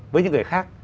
với những người khác